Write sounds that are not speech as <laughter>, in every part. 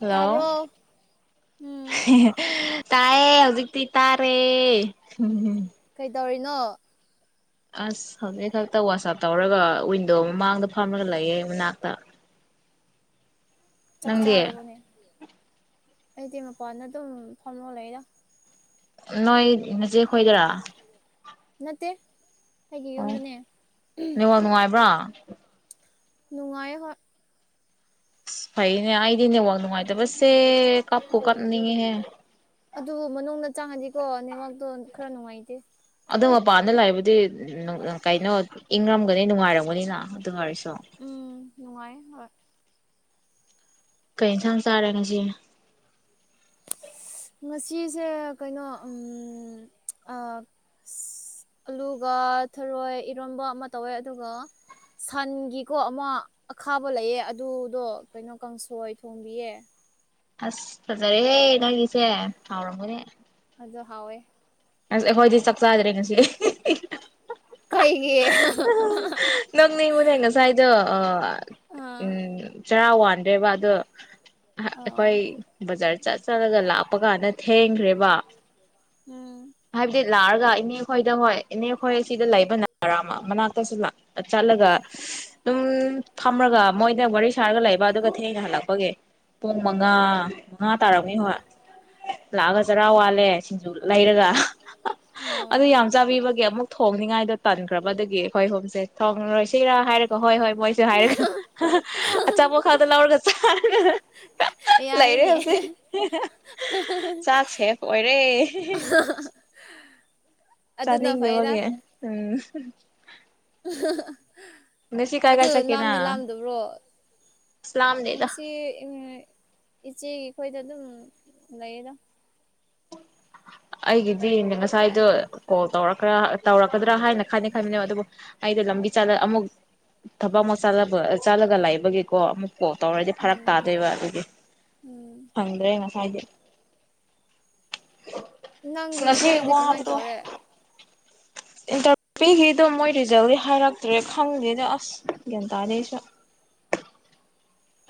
Hello ꯇꯥꯕ꯭ꯔꯣ ꯎꯝ ꯇꯥꯏꯌꯦ ꯍꯧꯖꯤꯛꯇꯤ ꯇꯥꯔꯦ ꯎꯝ ꯀꯩꯗꯧꯔꯤꯅꯣ ꯑꯁ ꯍꯧꯖꯤꯛ ꯈꯛꯇ ꯋꯥꯆꯞ ꯇꯧꯔꯒ ꯋꯤꯟꯗꯣ ꯑꯃ ꯃꯃꯥꯡꯗ ꯐꯝꯃꯒ ꯂꯩꯌꯦꯦ ꯃꯅꯥꯛꯇ ꯆꯥꯛ ꯅꯪꯗꯤ ꯆꯥꯔꯕꯅꯦ ꯑꯩꯗꯤ ꯃꯄꯥꯟꯅ ꯑꯗꯨꯝ ꯐꯝꯃꯣ ꯂꯩꯏꯗ ꯅꯣꯏ ꯉꯆꯦ ꯈꯣꯏꯗꯔꯥ ꯅꯠꯇꯦ ꯑꯩꯒꯤ ꯑꯣ ꯌꯨꯝꯗꯅꯦ ꯅꯦꯠꯋꯥꯛ ꯅꯨꯡꯉꯥꯏꯕ꯭ꯔꯥ ꯅꯨꯡꯉꯥꯏ ꯍꯣꯏ ꯐꯩꯅꯦ ꯑꯩꯗꯤ ꯅꯦꯠꯋꯥꯛ ꯅꯨꯡꯉꯥꯏꯇꯕꯁꯦ ꯀꯥꯞꯄꯨ ꯀꯥꯅꯤꯡꯉꯦꯍꯦ ꯑꯗꯨꯕꯨ ꯃꯅꯨꯡꯗꯗ ꯆꯪꯉꯗꯤꯀꯣ ꯅꯦꯠꯋꯥꯛꯇꯣ ꯈꯔ ꯅꯨꯡꯉꯥꯏꯇꯦ ꯑꯗꯣ ꯃꯄꯥꯟꯗ ꯂꯥꯛꯏꯕꯨꯗꯤ ꯀꯩꯅꯣ ꯏꯪꯔꯝꯒꯅꯤ ꯅꯨꯡꯉꯥꯏꯔꯝꯒꯅꯤꯅ ꯑꯗꯨ ꯑꯣꯏꯥꯏꯔꯁꯨ ꯎꯝ ꯅꯨꯡꯉꯥꯏ ꯍꯣꯏ ꯀꯩ ꯌꯦꯟꯁꯥꯡ ꯆꯥꯔꯦ ꯉꯁꯤꯅꯦ ꯉꯁꯤꯁꯦ ꯀꯩꯅꯣ ꯑꯁ ꯑꯂꯨꯒ ꯊꯔꯣꯏ ꯏꯔꯣꯟꯕ ꯑꯃ ꯇꯧꯋꯦ ꯑꯗꯨꯒ ꯁꯟꯒꯤꯀꯣ ꯑꯃ ꯑꯈꯥꯕ ꯂꯩꯌꯦ ꯑꯗꯨꯗꯣ ꯀꯩꯅꯣ ꯀꯥꯡꯁꯣꯏ ꯊꯣꯡꯕꯤꯌꯦ ꯑꯁ ꯐꯖꯔꯦ ꯅꯪꯒꯤꯁꯦ ꯍꯥꯎꯔꯝꯒꯅꯦ ꯍꯧꯖꯨ ꯍꯥꯎꯋꯦ ꯑꯁ ꯑꯩꯈꯣꯏꯗꯤ ꯆꯥꯛ ꯆꯥꯗ꯭ꯔꯦ ꯉꯁꯤ ꯀꯩꯒꯤ ꯅꯪꯅꯦ ꯑꯩꯉꯣꯟꯅꯦ ꯉꯁꯥꯏꯗ ꯑꯥ ꯎꯝ ꯆꯔꯥ ꯋꯥꯟꯗ꯭ꯔꯦꯕ ꯑꯗꯣ ꯑꯣ ꯑꯩꯈꯣꯏ ꯕꯖꯥꯔ ꯆꯠ ꯆꯠꯂꯒ ꯂꯥꯛꯄ ꯀꯥꯟꯗ ꯊꯦꯡꯈ꯭ꯔꯦ ꯋꯥ ꯎꯝ ꯍꯥꯏꯕꯗꯤ ꯂꯥꯛꯑꯒ ꯏꯅꯦ ꯈꯣꯏꯗ ꯍꯣꯏ ꯏꯅꯦ ꯈꯣꯏ ꯁꯤꯗ ꯂꯩꯕ ꯅꯠꯇꯔꯃ ꯃꯅꯥꯛꯇꯁꯨ ꯆꯠꯂꯒ ꯑꯗꯨꯝ ꯐꯝꯃꯒ ꯃꯣꯏꯗ ꯋꯥꯔꯤ ꯁꯥꯔꯒ ꯂꯩꯕ ꯑꯗꯨꯒ ꯊꯦꯡꯅ ꯍꯜꯂꯛꯄꯒꯤ ꯄꯨꯡ ꯃꯉꯥ ꯃꯉꯥ ꯇꯥꯔꯛꯩ ꯍꯣꯏ ꯂꯥꯛꯑꯒ ꯆꯖꯔꯥ ꯋꯥꯠꯂꯦ ꯁꯤꯡꯖꯨ ꯂꯩꯔꯒ ꯑꯗꯨ ꯑꯣ ꯌꯥꯝ ꯆꯥꯕꯤꯕꯒꯦ ꯑꯃꯨꯛ ꯊꯣꯡꯅꯤꯉꯥꯏꯗꯣ ꯇꯟꯈ꯭ꯔꯕ ꯑꯗꯨꯗꯨꯒꯤ ꯑꯩꯈꯣꯏ ꯍꯨꯝꯁꯦ ꯊꯣꯡꯉꯔꯣꯏꯁꯤꯔꯥ ꯍꯥꯏꯔꯒꯣ ꯍꯣꯏ ꯍꯣꯏ ꯃꯣꯏ ꯍꯥꯏꯔꯒ ꯑꯆꯥꯄꯣꯠ ꯈꯥꯗ ꯂꯧꯔꯒ ꯂꯩꯔꯦ ꯌꯥꯏꯅꯦ ꯍꯧꯖꯤꯛ ꯆꯥꯛ ꯁꯦꯐ ꯑꯣꯏꯔꯦ ꯆꯅꯤꯗꯦ ꯑꯗꯨꯅ ꯐꯩꯗ ꯍꯦ ꯎꯝ ꯑ <unintelligible> ꯉꯁꯤ ꯀꯥꯏ ꯑꯗꯨ ꯀꯥꯏ ꯆꯠꯀꯦ ꯂꯥꯝꯗꯤ ꯅꯪ ꯂꯥꯝꯗꯕ꯭ꯔꯣ ꯑꯁ ꯂꯥꯝꯗꯦꯗ ꯉꯁꯤ ꯏꯆꯦꯒꯤ ꯑꯩꯈꯣꯏꯗ ꯑꯗꯨꯝ ꯂꯩꯌꯦꯗ ꯑꯩꯒꯤꯗꯤ ꯉꯁꯥꯏꯗꯣ ꯀꯣꯜ ꯇꯧꯔꯛ꯭ꯔ ꯇꯧꯔꯛꯀꯗ꯭ꯔꯥ ꯍꯥꯏꯅ ꯈꯥꯏꯅ ꯈꯥꯏꯃꯤꯅꯦꯕ ꯑꯗꯨꯕꯨ ꯍꯥꯏꯗꯤꯣ ꯂꯝꯕꯤ ꯑꯃꯨꯛ ꯊꯕꯛ ꯑꯃꯨꯛ ꯆꯥꯂꯒ ꯂꯥꯛꯏꯕꯒꯤꯀꯣ ꯑꯃꯨꯛ ꯀꯣ ꯇꯧꯔꯗꯤ ꯐꯔꯛ ꯎꯝ ꯇꯥꯗꯣꯏꯕ ꯑꯗꯨꯒꯤ ꯎꯝ ꯑꯗ꯭ꯔꯦꯅ ꯍꯥꯏꯌꯦ ꯅꯪꯒꯤ ꯉꯁꯤ ꯊꯕꯛꯇꯗꯤ ꯋꯥ ꯀꯃꯥꯏꯅ ꯇꯧꯔꯦ ꯏꯟꯇꯔꯚꯨ ꯄꯤꯈꯤꯗꯣ ꯃꯣꯏ ꯔꯤꯖꯜꯗꯤ ꯍꯥꯏꯔꯛꯇ꯭ꯔꯦ ꯈꯪꯗꯦꯗ ꯑꯁ ꯦꯇꯥꯁ <unintelligible>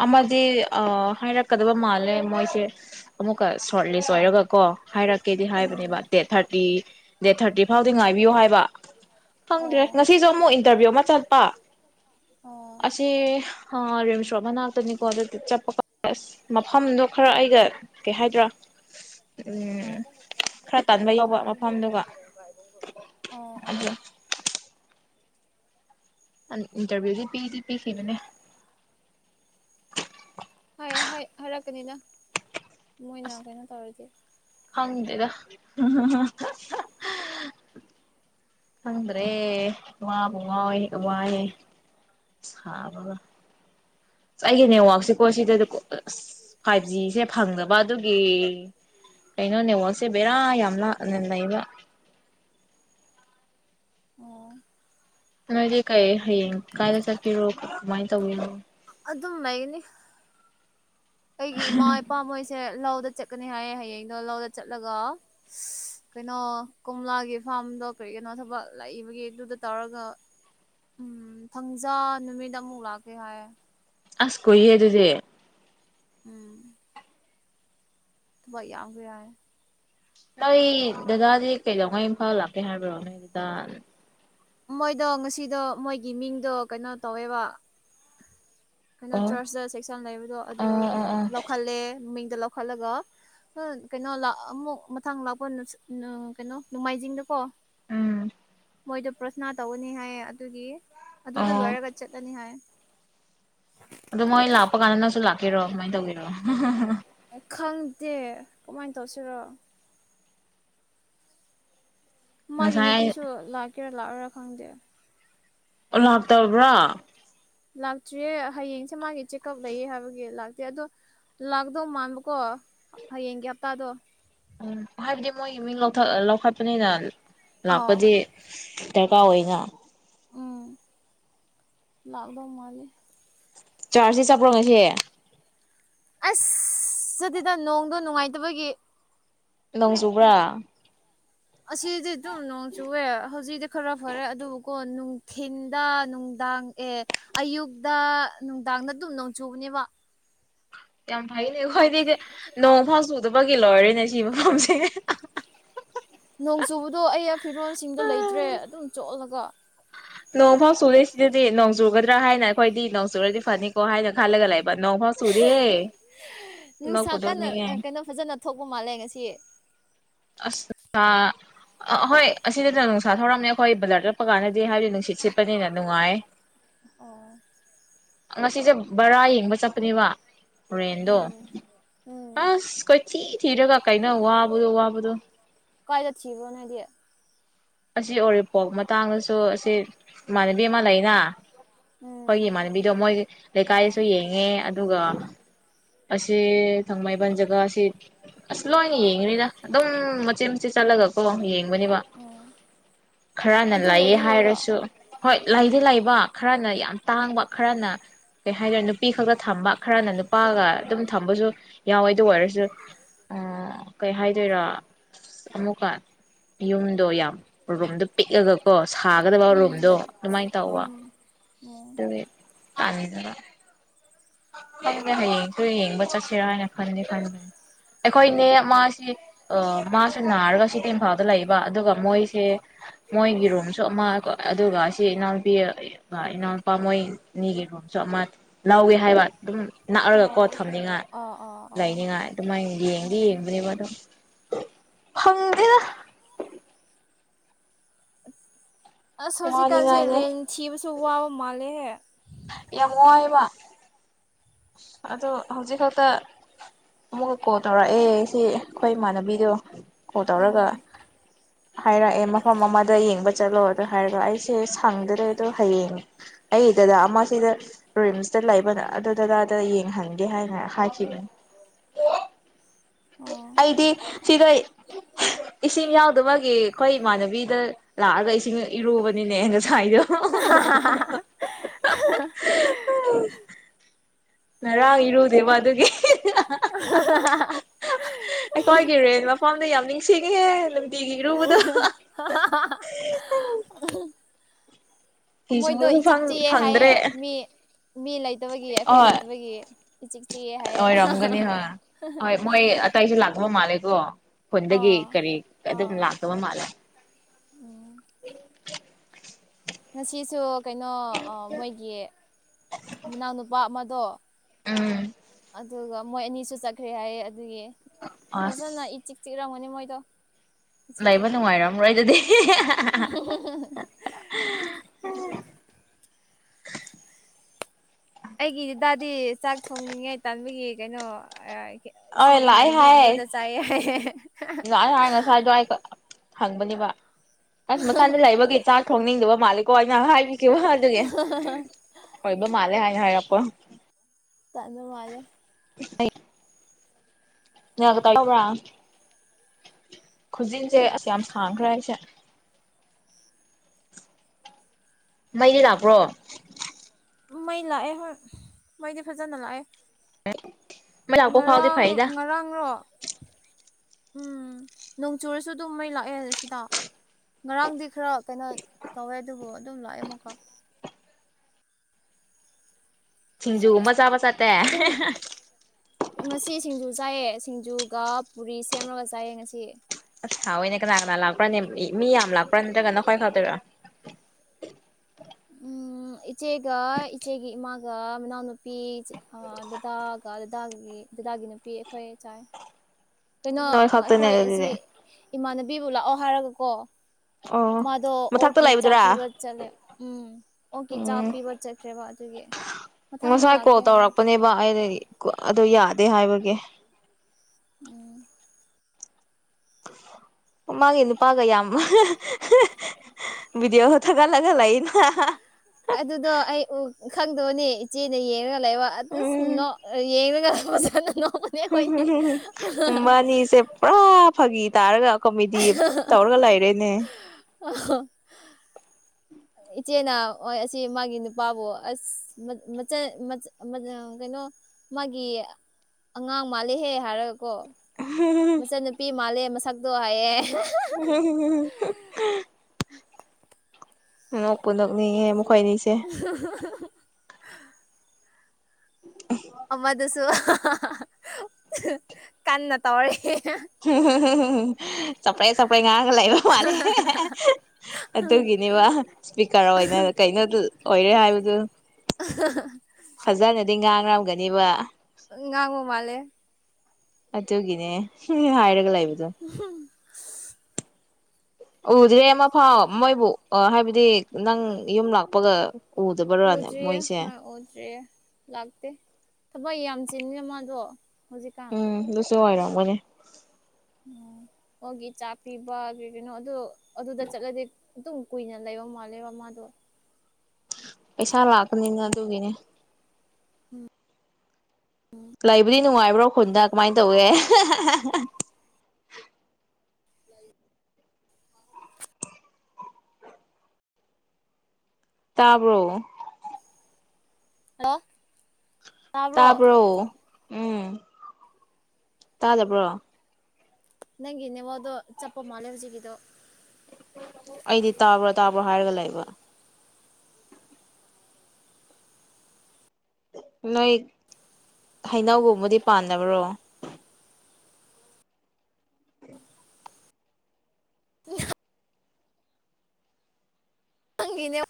ꯑꯃꯗꯤ ꯍꯥꯏꯔꯛꯀꯗꯕ ꯃꯥꯜꯂꯦ ꯃꯣꯏꯁꯦ ꯑꯃꯨꯛꯀ ꯁꯣꯔꯠ ꯂꯤꯁ ꯑꯣꯏꯔꯒ ꯀꯣ ꯍꯥꯏꯔꯛꯀꯦꯗꯤ ꯎꯝ ꯍꯥꯏꯕꯅꯦꯕ ꯗꯦꯠ ꯊꯥꯔꯇꯤ ꯗꯦꯠ ꯊꯥꯔꯇꯤ ꯐꯥꯎꯗꯤ ꯉꯥꯏꯕꯤꯌꯣ ꯍꯥꯏꯕ ꯈꯪꯗ꯭ꯔꯦ ꯑꯣ ꯉꯁꯤꯁꯨ ꯑꯃꯨꯛ ꯏꯟꯇꯔꯚꯤꯌꯨ ꯑꯃ ꯆꯠꯄ ꯑꯣ ꯑꯁꯤ ꯑꯥ ꯔꯤꯝꯁ ꯔꯣꯠ ꯃꯅꯥꯛꯇꯅꯤꯀꯣ ꯑꯗꯨꯗꯤ ꯆꯠꯄꯥ ꯑꯁ ꯃꯐꯝꯗꯣ ꯈꯔ ꯑꯩꯒ ꯀꯩ ꯍꯥꯏꯗ꯭ꯔꯥ ꯎꯝ ꯈꯔ <unintelligible> ꯇꯟꯕ ꯌꯥꯎꯕ ꯃꯐꯝꯗꯨꯒ ꯑꯥ ꯑꯗꯨ ꯑꯥ ꯑꯟ ꯏꯟꯇꯔꯚꯤꯌꯨꯗꯤ ꯄꯤꯗꯤ ꯄꯤꯈꯤꯕꯅꯦ‌꯫ ꯍꯥꯏ ꯍꯥꯏ ꯍꯥꯏꯔꯛꯀꯅꯤꯅ ꯃꯣꯏꯅ ꯀꯩꯅꯣ ꯇꯧꯔꯗꯤ ꯈꯪꯗꯦꯗ <unintelligible> ꯈꯪꯗ꯭ꯔꯦ ꯋꯥꯕꯨ ꯉꯥꯎꯏ ꯋꯥꯏꯌꯦ꯫ ꯁꯥꯕꯒ ꯑꯩꯒꯤ ꯅꯦꯠꯋꯥꯛꯁꯦꯀꯣ ꯁꯤꯗꯣ ꯑꯁ ꯐꯥꯏꯚ ꯖꯤꯁꯦ ꯐꯪꯗꯕ ꯑꯗꯨꯒꯤ ꯀꯩꯅꯣ ꯅꯦꯠꯋꯥꯛꯁꯦ ꯕꯦꯔꯥ ꯌꯥꯝ ꯂꯥꯛꯅ ꯂꯩꯕ꯫ ꯑꯣ ꯅꯣꯏꯗꯤ ꯀꯩ ꯍꯌꯦꯡ ꯀꯥꯏꯗ ꯆꯠꯄꯤꯔꯣ ꯀꯃꯥꯏꯅ ꯇꯧꯏꯅꯣ? ꯑꯗꯨꯝ ꯂꯩꯒꯅꯤ ꯑꯩꯒꯤ ꯏꯃꯥ ꯏꯄꯥ ꯃꯣꯏꯁꯦ ꯂꯧꯗ ꯆꯠꯀꯅꯤ ꯍꯥꯏꯌꯦ ꯍꯌꯦꯡꯗꯣ ꯂꯧꯗ ꯆꯠꯂꯒ ꯀꯩꯅꯣ ꯀꯣꯝꯂꯥꯒꯤ ꯐꯥꯔꯝꯗꯣ ꯀꯔꯤꯅꯣ ꯊꯕꯛ ꯂꯩꯕꯒꯤ ꯑꯗꯨꯗ ꯇꯧꯔꯒ ꯎꯝ ꯊꯪꯖꯥ ꯅꯨꯃꯤꯠ ꯑꯃꯨꯛ ꯂꯥꯛꯀꯦ ꯍꯥꯏ꯫ ꯑꯁ ꯀꯨꯏꯌꯦ ꯑꯗꯨꯗꯤ! ꯎꯝ ꯊꯕꯛ ꯌꯥꯝꯈ꯭ꯔꯦ ꯍꯥꯏ꯫ ꯅꯣꯏ ꯗꯗꯥꯗꯤ ꯀꯩꯗꯧꯉꯩ ꯏꯝꯐꯥꯜ ꯂꯥꯛꯀꯦ ꯍꯥꯏꯕ꯭ꯔꯣ ꯅꯣꯏ ꯗꯗꯥ ꯃꯣꯏꯗꯣ ꯉꯁꯤꯗꯣ ꯃꯣꯏꯒꯤ ꯃꯤꯡꯗꯣ ꯀꯩꯅꯣ ꯇꯧꯋꯦꯕ ꯀꯩꯅꯣ ꯑꯣ ꯆꯔꯆꯇ ꯆꯦꯛꯁꯥꯡ ꯂꯩꯕꯗꯣ ꯑꯗꯨ ꯑꯣ ꯑꯣ ꯑꯣ ꯂꯧꯈꯠꯂꯦ ꯃꯤꯡꯗ ꯂꯧꯈꯠꯂꯒ ꯍ ꯀꯩꯅꯣ ꯂꯥꯛ ꯑꯃꯨꯛ ꯃꯊꯪ ꯂꯥꯛꯄ ꯀꯩꯅꯣ ꯅꯣꯡꯃꯥꯏꯖꯤꯡꯗꯀꯣ ꯎꯝ ꯃꯣꯏꯗꯣ ꯄ꯭ꯔꯊꯅꯥ ꯇꯧꯒꯅꯤ ꯍꯥꯏ ꯑꯗꯨꯒꯤ ꯑꯗꯨꯗ ꯑꯣ ꯂꯣꯏꯔꯒ ꯆꯠꯂꯅꯤ ꯍꯥꯏ꯫ ꯑꯗꯣ ꯃꯣꯏ ꯂꯥꯛꯄ ꯀꯥꯟꯗ ꯅꯪꯁꯨ ꯂꯥꯛꯀꯦꯔꯣ ꯀꯃꯥꯏ ꯇꯧꯒꯦꯔꯣ? ꯈꯪꯗꯦ ꯀꯃꯥꯏ ꯇꯧꯁꯤꯔꯣ꯫ ꯃꯥꯒꯤ ꯉꯁꯥꯏ ꯅꯨꯄꯤꯁꯨ ꯂꯥꯛꯀꯦꯔꯥ ꯂꯥꯛꯑꯣꯏꯔꯥ ꯈꯪꯗꯦ꯫ ꯑꯣ ꯂꯥꯛꯇꯕ꯭ꯔꯥ ꯂꯥꯛꯇ꯭ꯔꯤꯌꯦ ꯍꯌꯦꯡꯁꯦ ꯃꯥꯒꯤ ꯆꯦꯛꯑꯞ ꯂꯩꯌꯦ ꯍꯥꯏꯕꯒꯤ ꯂꯥꯛꯇꯦ ꯑꯗꯣ ꯂꯥꯛꯀꯗꯧ ꯃꯥꯟꯕꯀꯣ ꯍꯌꯦꯡꯒꯤ ꯍꯞꯇꯥꯗꯣ꯫ ꯎꯝ ꯍꯥꯏꯕꯗꯤ ꯃꯣꯏꯒꯤ ꯃꯤꯡ ꯂꯧꯊ ꯂꯧꯈꯠꯄꯅꯤꯅ ꯑꯥꯎ ꯂꯥꯛꯄꯗꯤ ꯗꯔꯀꯥꯔ ꯑꯣꯏꯅ ꯂꯥꯛꯀꯗꯧ ꯃꯥꯜꯂꯦ꯫ ꯆꯥꯔꯆꯁꯤ ꯆꯠꯄ꯭ꯔꯣ ꯉꯁꯤ? ꯑꯁ ꯆꯠꯇꯦꯗ ꯅꯣꯡꯗꯣ ꯅꯨꯡꯉꯥꯏꯇꯕꯒꯤ꯫ ꯅꯣꯡ ꯆꯨꯕ꯭ꯔꯥ? ꯑꯁꯤꯗꯤ ꯑꯗꯨꯝ ꯅꯣꯡ ꯆꯨꯑꯦ ꯍꯧꯖꯤꯛꯗ ꯈꯔ ꯐꯔꯦ ꯑꯗꯨꯕꯨꯀꯣ ꯅꯨꯡꯊꯤꯟꯗ ꯅꯨꯡꯗꯥꯡ ꯑꯦ ꯑꯌꯨꯛꯗ ꯅꯨꯡꯗꯥꯡꯗ ꯑꯗꯨꯝ ꯅꯣꯡꯆꯨꯕꯅꯦꯕ꯫ ꯌꯥꯝ ꯐꯩꯅꯦ ꯈꯣꯏꯗꯤꯗꯤ ꯅꯣꯡ ꯐꯥꯎ ꯆꯨꯗꯕꯒꯤ ꯂꯣꯏꯔꯦꯅꯦ ꯁꯤ ꯃꯐꯝꯁꯦ꯫ ꯅꯣꯡ ꯆꯨꯕꯗꯣ ꯑꯩ ꯐꯤꯔꯣꯜꯁꯤꯡꯗꯣ ꯂꯩꯇ꯭ꯔꯦ ꯑꯗꯨꯝ ꯆꯣꯠꯂꯒ ꯅꯣꯡ ꯐꯥꯎ ꯆꯨꯨꯗꯦ ꯁꯤꯗꯗꯤ ꯅꯣꯡ ꯆꯨꯒꯗ꯭ꯔꯥ ꯍꯥꯏꯅ ꯑꯩꯈꯣꯏꯗꯤ ꯅꯣꯡ ꯆꯨꯔꯗꯤ ꯐꯅꯤꯀꯣ ꯍꯥꯏꯅ ꯈꯜꯂꯒ ꯂꯩ ꯕ ꯅꯣꯡꯐꯧ ꯆꯨꯗꯦ ꯅꯨꯡꯁꯥ ꯅꯣꯛꯄꯨ ꯀꯟꯅ ꯅꯣꯛꯅꯤꯡ ꯉꯦ꯫ ꯀꯩꯅꯣ ꯐꯖꯅ ꯊꯣꯛꯄ ꯃꯥꯜꯂꯦ ꯉꯁꯤ ꯑꯁ ꯑ ꯑ ꯑꯍꯣꯏ ꯑꯁꯤꯗꯁꯨ ꯅꯨꯡꯁꯥ ꯊꯧꯔꯝꯅꯦ ꯑꯩꯈꯣꯏ ꯕꯖꯥꯔ ꯆꯠꯄ ꯀꯥꯟꯗꯗꯤ ꯍꯥꯏꯕꯗꯤ ꯅꯨꯡꯁꯤꯠ ꯁꯤꯠꯄꯅꯤꯅ ꯅꯨꯡꯉꯥꯏ꯫ ꯑꯣ ꯉꯁꯤꯁꯦ ꯕꯔꯥ ꯌꯦꯡꯕ ꯆꯠꯄꯅꯦꯕ꯫ ꯔꯦꯟꯗꯣ ꯎꯝ ꯎꯝ ꯑꯁ ꯀꯣꯏꯊꯤ ꯊꯤꯔꯒ ꯀꯩꯅꯣ ꯋꯥꯕꯗꯣ ꯋꯥꯕꯗꯣ! ꯀꯥꯏꯗ ꯊꯤꯕ ꯅꯣꯏꯗꯤ? ꯑꯁꯤ ꯑꯣꯔꯤꯄꯣꯛ ꯃꯇꯥꯡꯗꯁꯨ ꯑꯁꯤ ꯏꯃꯥꯟꯅꯕꯤ ꯑꯃ ꯂꯩꯅ ꯑꯩꯈꯣꯏꯒꯤ ꯎꯝ ꯏꯃꯥꯟꯅꯕꯤꯗꯣ ꯃꯣꯏꯒꯤ ꯑꯣ ꯂꯩꯀꯥꯏꯁꯨ ꯌꯦꯡ ꯪꯉꯦ ꯑꯗꯨꯒ ꯑꯁꯤ ꯊꯥꯡꯃꯩꯕꯟ ꯖꯒꯥꯁꯤ ꯑꯁ ꯂꯣꯏꯅ ꯌꯦꯡꯉꯅꯤꯗ ꯑꯗꯨꯝ ꯃꯆꯤꯠ ꯃꯆꯤꯠ ꯆꯠꯂꯒꯀꯣ ꯌꯦꯡꯕꯅꯦꯕ ꯎꯝ ꯈꯔꯅ ꯑꯗꯨ ꯂꯩꯌꯦ ꯂꯩꯗꯤ ꯂꯩꯕ꯭ꯔꯣ ꯍꯥꯏꯔꯁꯨ ꯍꯣꯏ ꯂꯩꯗꯤ ꯂꯩꯕ ꯈꯔꯅ ꯌꯥꯝ ꯇꯥꯡꯕ ꯈꯔꯅ ꯀꯩ ꯍꯥꯏꯗꯣꯏ ꯅꯨꯞ ꯄꯤ ꯈꯥꯒ ꯊꯝꯕ ꯈꯔꯅ ꯅꯨꯄꯥꯒ ꯑꯗꯨꯝ ꯊꯝꯕꯁꯨ ꯌꯥꯎꯋꯦ ꯑꯗꯨ ꯑꯣꯏꯔꯁꯨ ꯑ ꯀꯩ ꯍꯥꯏꯗꯣꯏꯔꯥ ꯑꯁ ꯑꯃꯨꯛꯀ ꯌꯨꯝꯗꯣ ꯌꯥꯝ ꯔꯨꯝꯗꯣ ꯄꯤꯛꯑꯒ ꯀꯣ ꯁꯥꯒꯗꯕ ꯔꯨꯝꯗꯣ ꯎꯝ ꯑꯗꯨꯃꯥꯏꯟ ꯇꯧꯕ ꯎꯝ ꯎꯝ ꯑꯗꯨꯒꯤ ꯄꯥꯕ ꯈꯪꯗꯦ ꯍꯌꯦꯡ ꯈꯣꯏ ꯌꯦꯡꯕ ꯆꯠꯁꯤꯔ ꯍꯥꯏꯅ ꯈꯟꯗꯤ ꯈꯟꯕꯅꯤ ꯑꯩꯈꯣꯏ ꯅꯦ ꯑꯃꯥꯁꯤ ꯑ ꯃꯥꯁꯨ ꯅꯥꯔꯒ ꯁꯤꯇꯤꯝꯐꯥꯜꯗ ꯂꯩꯕ ꯑꯗꯨꯒ ꯃꯣꯏꯁꯦ ꯃꯣꯏꯒꯤ ꯔꯣꯝꯁꯨ ꯑꯃ ꯑꯗꯨꯒ ꯁꯤ ꯏꯅꯥꯎꯅꯨꯄꯤ ꯑꯗꯨꯒ ꯏꯅꯥꯎꯅꯨꯄꯥ ꯃꯣꯏꯅꯤꯒꯤ ꯔꯣꯝꯁꯨ ꯑꯃ ꯂꯧꯏ ꯍꯥꯏꯕ ꯑꯗꯨꯝ ꯅꯛꯑꯔꯀꯣ ꯑꯣ ꯊꯝꯅꯤꯡꯉꯥꯏ ꯑꯣ ꯑꯣ ꯑꯣ ꯂꯩꯅꯤꯡꯉꯥꯏ ꯑꯗꯨꯃꯥꯏꯅ ꯌꯦꯡꯗꯤ ꯎꯝ ꯌꯦꯡꯕꯅꯦꯕ ꯑꯗꯨꯝ ꯐꯪꯗꯦꯗ ꯑꯁ ꯍꯧꯖꯤꯛꯀꯥꯟꯁꯦ ꯋꯥꯅꯤꯡꯉꯥꯏꯅꯦ ꯔꯦꯟ ꯊꯤꯕꯁꯨ ꯋꯥꯕ ꯃꯥꯜꯂꯦꯍꯦ ꯌꯥꯝ ꯋꯥꯏꯌꯦꯕ ꯑꯁ ꯑꯗꯣ ꯍꯧꯖꯤꯛ ꯈꯛꯇ ꯑꯃꯨꯛꯀ ꯀꯣꯜ ꯇꯧꯔꯛꯑꯦ ꯁꯤ ꯑꯩꯈꯣꯏ ꯏꯃꯥꯟꯅꯕꯤꯗꯣ ꯀꯣꯜ ꯇꯧꯔꯒ ꯑꯣ ꯍꯥꯏꯔꯛꯑꯦ ꯃꯐꯝ ꯑꯃꯗ ꯌꯦꯡꯕ ꯆꯠꯂꯣ ꯑꯗꯨ ꯍꯥꯏꯔꯒ ꯑꯩꯁꯦ ꯁꯪꯗ꯭ꯔꯦ ꯑꯗꯣ ꯍꯌꯦꯡ ꯑꯩ ꯗꯥꯗꯥ ꯑꯃ ꯁꯤꯗ ꯔꯤꯝꯁꯇ ꯂꯩꯕꯅ ꯑꯗꯨ ꯗꯥꯗꯥꯗ ꯌꯦꯡꯍꯟꯒꯦ ꯍꯥꯏꯅ ꯍꯥꯏꯈꯤꯕꯅꯤ ꯑꯣ ꯇꯤ ꯁꯤꯗ ꯏꯁꯤꯡ ꯌꯥꯎꯗꯕꯒꯤ ꯑꯩꯈꯣꯏ ꯏꯃꯥꯟꯅꯕꯤꯗ ꯂꯥꯛꯑꯒ ꯏꯁꯤꯡ ꯏꯔꯨꯕꯅꯤꯅꯦ ꯉꯁꯥꯏꯗꯣ <unintelligible> ꯉꯔꯥꯡ ꯏꯔꯨꯗꯦꯕ ꯑꯗꯨꯒꯤ <unintelligible> ꯑꯩꯈꯣꯏꯒꯤ ꯔꯦꯟ ꯃꯐꯝꯗꯣ ꯌꯥꯝ ꯅꯤꯡꯁꯤꯡꯉꯤꯍꯦ ꯇꯤꯒꯤ ꯏꯔꯨꯕꯗꯣ ꯃꯣꯏꯗꯣ ꯐꯤꯁꯨꯕꯁꯨ ꯏꯆꯤꯛ ꯆꯤꯛꯑꯦ ꯐꯪꯗ꯭ꯔꯦ ꯍꯥꯏꯑꯦ ꯃꯤ ꯃꯤ ꯂꯩꯇꯕꯒꯤ ꯑꯩꯈꯣꯏ ꯍꯣꯏ ꯂꯩꯇꯕꯒꯤ ꯏꯆꯤꯛ ꯆꯤꯛꯑꯦ ꯍꯥꯏꯌꯦ ꯑꯣꯏꯔꯝꯒꯅꯤ ꯍꯣꯏ ꯍꯣꯏ ꯃꯣꯏ ꯑꯇꯩꯁꯨ ꯂꯥꯛꯇꯕ ꯃꯥꯜꯂꯦꯀꯣ ꯈꯨꯟꯗꯒꯤ ꯑꯣ ꯀꯔꯤ ꯑꯗꯨꯝ ꯑꯣ ꯂꯥꯛꯇꯕ ꯃꯥꯜꯂꯦ ꯎꯝ <inaudible> ꯉꯁꯤꯁꯨ ꯀꯩꯅꯣ ꯑ ꯃꯣꯏꯒꯤ ꯃꯅꯥꯎꯅꯨꯄꯥ ꯑꯃꯗꯣ ꯎꯝ ꯑꯗꯨꯒ ꯃꯣꯏ ꯑꯅꯤꯁꯨ ꯆꯠꯈ꯭ꯔꯦ ꯍꯥꯏꯌꯦ ꯑꯗꯨꯒꯤ ꯐꯖꯅ ꯑꯁ ꯏꯆꯤꯛ ꯆꯤꯛꯂꯝꯒꯅꯤ ꯃꯣꯏꯗꯣ ꯉꯁꯤꯗꯤ ꯂꯩꯕ ꯅꯨꯡꯉꯥꯏꯔꯝꯔꯣꯏ ꯑꯗꯨꯗꯤ ꯑꯩꯒꯤ ꯗꯥꯗꯥꯗꯤ ꯆꯥꯛ ꯊꯣꯡꯅꯤꯡꯉꯥꯏ ꯇꯥꯟꯕꯒꯤ ꯀꯩꯅꯣ ꯑ ꯑꯣꯏ ꯂꯥꯛꯑꯦ ꯍꯥꯏ ꯂꯥꯛꯑꯦ ꯍꯥꯏ ꯉꯁꯥꯏꯗꯣ ꯑꯩꯒ ꯍꯪꯕꯅꯦꯕ ꯑꯁ ꯃꯊꯟꯗ ꯂꯩꯕꯒꯤ ꯆꯥꯛ ꯊꯣꯡꯅꯤꯡꯗꯕ ꯃꯥꯜꯂꯦꯀꯣ ꯑꯩꯅ ꯍꯥꯏ ꯀꯩꯕ ꯑꯗꯨꯒꯤ ꯑꯣꯏꯕ ꯃꯥꯜꯂꯦ ꯍꯥꯏꯅ ꯍꯥꯏꯔꯛꯄ ꯇꯟꯕ ꯃꯥꯜꯂꯦ <unintelligible> ꯅꯦꯜ ꯀꯠꯇꯔ ꯌꯥꯎꯕꯔ ꯈꯨꯖꯤꯟꯁꯦ ꯑꯁ ꯌꯥꯝ ꯁꯥꯡꯈ꯭ꯔꯦ ꯑꯩꯁꯦ ꯃꯩꯗꯤ ꯂꯥꯛꯄ꯭ꯔꯣ ꯃꯩ ꯂꯥꯛꯑꯦ ꯍꯣꯏ ꯃꯩꯗꯤ ꯐꯖꯅ ꯂꯥꯛꯑꯦ <unintelligible> ꯐꯥꯎꯗꯤ ꯉꯔꯥꯡ ꯐꯩꯗ ꯉꯔꯥꯡꯂꯣ ꯎꯝ ꯅꯣꯡ ꯆꯨꯔꯁꯨ ꯑꯗꯨꯝ ꯃꯩ ꯂꯥꯛꯑꯦ ꯁꯤꯗ ꯉꯔꯥꯡꯗꯤ ꯈꯔ ꯀꯩꯅꯣ ꯇꯧꯋꯦ ꯑꯗꯨꯕꯨ ꯑꯗꯨꯝ ꯂꯥꯛꯑꯦꯃꯣꯀꯣ ꯁꯤꯡꯖꯨꯒꯨꯝꯕ ꯆꯥꯕ ꯆꯥꯠ ꯍꯨꯡ ꯉꯁꯤ ꯁꯤꯡꯖꯨ ꯆꯥꯏꯌꯦ ꯁꯤꯡꯖꯨꯒ ꯄꯨꯔꯤ ꯁꯦꯝꯂꯒ ꯆꯥꯏꯌꯦ ꯉꯁꯤ ꯑꯁ ꯍꯥꯎꯏꯅꯦ ꯀꯅꯥ ꯀꯅꯥ ꯂꯥꯛꯄ꯭ꯔꯥꯅ ꯃꯤ ꯌꯥꯝ ꯂꯥꯛꯄ꯭ꯔꯥ ꯅꯠꯇꯒꯅ ꯈ꯭ꯋꯥꯏ ꯈꯥꯎꯗꯣꯏꯔꯑꯣ ꯑꯣ ꯏꯆꯦꯒ ꯏꯆꯦꯒꯤ ꯏꯃꯥꯒ ꯃꯅꯥꯎꯅꯨꯄꯤ ꯗꯗꯥꯒ ꯗꯗꯥꯒꯒꯤ ꯗꯥꯒꯤ ꯅꯨꯄꯤ ꯑꯩꯈꯣꯏ ꯆꯥꯏ ꯀꯩꯅꯣ ꯅꯣꯏ ꯑꯩꯈꯣꯏ ꯈꯛꯇꯅꯦ ꯑꯩꯁꯤ ꯑꯗꯨꯗꯤ ꯏꯃꯥꯟꯅꯕꯤꯕꯨ ꯂꯥꯛꯑꯣ ꯍꯥꯏꯔꯒꯀꯣ ꯑꯣ ꯃꯥꯗꯣ ꯃꯊꯛꯇ ꯑꯣꯀꯤ ꯆꯥ ꯂꯩꯕꯗꯨꯔꯥ ꯄꯤꯕ ꯆꯂꯦ ꯎꯝ ꯑꯣꯀ ꯆꯥ ꯎꯝ ꯄꯤꯕ ꯆꯠꯈ꯭ꯔꯦꯕ ꯑꯗꯨꯒꯤ ꯃꯊꯪꯗ ꯉꯁꯥꯏ ꯀꯣꯜ ꯂꯥꯛꯀꯦ ꯍꯥꯏ ꯇꯧꯔꯛꯄꯅꯦꯕ ꯑꯩ ꯑꯗꯨ ꯌꯥꯗꯦ ꯍꯥꯏꯕꯒꯤ ꯎꯝ ꯃꯥꯒꯤ ꯅꯨꯄꯥꯒ ꯌꯥꯝ ꯕꯤꯗꯤꯑꯣ ꯊꯒꯥꯠꯂꯒ ꯂꯩ ꯑꯗꯨꯗꯣ ꯑꯩ ꯎ ꯈꯪꯗꯧꯅꯦ ꯏꯆꯦꯗ ꯌꯦꯡꯉꯒ ꯂꯩꯕ ꯑꯗꯨ ꯌꯦꯡꯉꯒ ꯂꯩ ꯅꯈꯣꯏꯅꯤ ꯃꯕꯥꯅꯤꯁꯦ ꯄꯨꯔꯥ ꯐꯥꯒꯤ ꯇꯥꯔꯒ ꯀꯣꯃꯦꯗꯤ ꯇꯧꯔꯒ ꯂꯩꯔꯦꯅꯦ ꯑꯍꯣ ꯏꯆꯦꯅ ꯑꯣꯏ ꯑꯁꯤ ꯃꯥꯒꯤ ꯅꯨꯄꯥꯕꯨ ꯑꯁ ꯀꯩꯅꯣ ꯃꯥꯒꯤ ꯑꯉꯥꯡ ꯃꯥꯜꯂꯦꯍꯦ ꯍꯥꯏꯔ ꯀꯣ ꯃꯆꯟꯅꯨꯄꯤ ꯃꯥꯜꯂꯦ ꯃꯁꯛꯇꯣ ꯍꯥꯏꯌꯦ <inaudible> ꯅꯣꯛꯄꯗ ꯎꯏꯌꯦ ꯃꯈꯣꯏ ꯑꯅꯤꯁꯦ <inaudible> ꯑꯃꯗꯨꯁꯨ ꯀꯟꯅ ꯇꯧꯔꯤ ꯆꯄꯦꯡ ꯆꯥꯄꯦꯡ ꯉꯥꯡꯉꯒ ꯂꯩꯕ ꯃꯥꯜꯂꯦ ꯑꯗꯨꯒꯤꯅꯦꯕ ꯏꯁꯄꯤꯀꯔ ꯑꯣꯏꯅ ꯀꯩꯅꯣ ꯑꯣꯏꯔꯦ ꯍꯥꯏꯕꯗꯨ <inaudible> ꯐꯖꯅꯗꯤ ꯉꯥꯡꯔꯝꯒꯅꯦꯕ ꯉꯥꯡꯕ ꯃꯥꯂꯦ ꯑꯗꯨꯒꯤꯅꯦ ꯍꯥꯏꯔꯒ ꯂꯩꯕꯗꯣ ꯍꯨꯝ ꯎꯗ꯭ꯔꯦ ꯑꯃ ꯐꯥꯎ ꯃꯣꯏꯕꯨ ꯍꯥꯏꯕꯗꯤ ꯅꯪ ꯌꯨꯝ ꯂꯥꯛꯄꯒ ꯎꯗꯕꯔꯥꯅꯦ ꯎꯗꯔꯤꯌꯦ ꯃꯣꯏꯁꯦ ꯍꯣꯌ ꯎꯗꯔꯤꯌꯦ ꯂꯥꯛꯇꯦ ꯊꯕꯛ ꯌꯥꯝ ꯆꯤꯅꯤꯅ ꯃꯥꯗꯣ ꯍꯧꯖꯤꯛ ꯎꯝ ꯑꯗꯨꯁꯨ ꯑꯣꯏꯔꯝꯒꯅꯤ ꯎꯝ ꯑꯣꯒꯤ ꯆꯥꯛ ꯄꯤꯕ ꯀꯩ ꯀꯩꯅꯣ ꯑꯗꯨ ꯑꯗꯨꯗ ꯆꯠꯂꯗꯤ ꯑꯗꯨꯝ ꯀꯨꯏꯅ ꯂꯩꯕ ꯃꯥꯜꯂꯦꯕ ꯃꯥꯗꯣ ꯄꯩꯁꯥ ꯂꯥꯛꯄꯅꯤꯅ ꯑꯗꯨꯒꯤꯅꯦ ꯂꯩꯕꯨꯗꯤ ꯅꯨꯡꯉꯥꯏꯕ꯭ꯔꯣ ꯈꯨꯟꯗ ꯀꯃꯥꯏꯅ ꯇꯧꯒꯦ ꯇꯥꯕ꯭ꯔꯣ ꯍꯜꯂꯣ ꯇꯥꯕ꯭ꯔꯣ ꯇꯥꯕꯔꯣ ꯎꯟ ꯇꯥꯗꯕ꯭ꯔꯣ ꯅꯪꯒꯤ ꯅꯤꯋꯥꯔꯛꯇꯣ ꯆꯞꯄ ꯃꯥꯂꯦ ꯍꯧꯖꯤꯛꯀꯤꯗꯣ ꯑꯩꯗꯤ ꯇꯥꯕ꯭ꯔꯣ ꯇꯥꯕ꯭ꯔꯣ ꯍꯥꯏꯔꯒ ꯂꯩꯕ ꯅꯣꯏ ꯍꯩꯅꯒꯨꯝꯕꯨꯗꯤ ꯄꯥꯟꯗꯕ꯭ꯔꯣ ꯅꯪꯒꯤꯅꯦ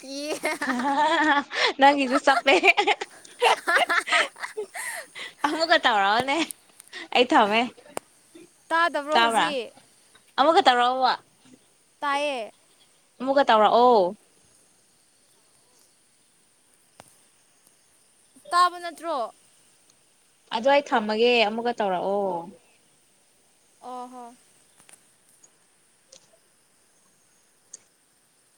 ꯀꯤꯌꯦ <inaudible> ꯅꯪ ꯒꯤꯁꯨ ꯆꯞꯄꯦ ꯑꯃꯨꯛꯀꯥ ꯇꯧꯔꯛꯑꯣꯅꯦ ꯑꯩ ꯊꯝꯃꯦ ꯇꯥꯗꯕ꯭ꯔꯣ ꯍꯧꯖꯤꯛ ꯑꯃꯛꯒ ꯇꯧꯔꯛꯎꯕ ꯇꯥꯏꯌꯦ ꯑꯃꯨꯛꯀꯥ ꯇꯧ꯭ꯔꯛꯑꯣ ꯇꯥꯕ ꯅꯠꯇ꯭ꯔꯣ ꯑꯗꯣ ꯑꯩ ꯊꯝꯃꯒꯦ ꯑꯃꯨꯛꯀ ꯇꯧꯔꯛꯑꯣ ꯑꯣ ꯍꯣ